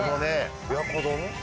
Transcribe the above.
親子丼？